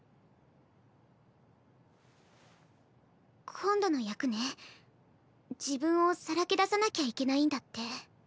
今度の役ね自分をさらけ出さなきゃいけないんだって。